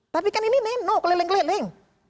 tapi kan ini nino keleleng keleleng